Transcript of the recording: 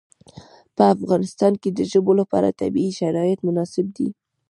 په افغانستان کې د ژبو لپاره طبیعي شرایط مناسب دي.